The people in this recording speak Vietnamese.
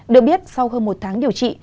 được biết sau hơn một tháng điều trị